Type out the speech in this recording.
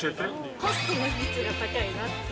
ホストの率が高いなって。